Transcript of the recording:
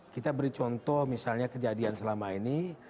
kita beri contoh misalnya kejadian selama ini